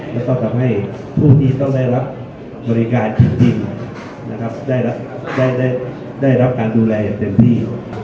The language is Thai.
แล้วก็ทำให้ผู้ที่ต้องได้รับบริการจริงนะครับได้รับการดูแลอย่างเต็มที่